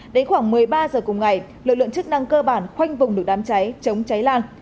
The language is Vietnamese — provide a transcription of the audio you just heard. đến khoảng một mươi ba giờ cùng ngày lực lượng chức năng cơ bản khoanh vùng được đám cháy chống cháy lan